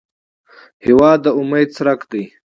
هېواد د امید څرک دی.